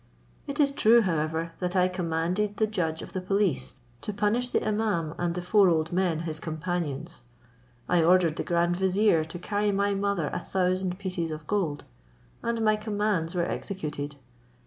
It is true, however, that I commanded the judge of the police to punish the imaum, and the four old men his companions; I ordered the grand vizier to carry my mother a thousand pieces of gold; and my commands were executed.